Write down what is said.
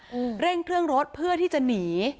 อืมเร่งเครื่องรถเพื่อที่จะหนี